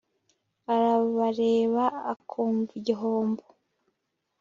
arabareba akumva igihombo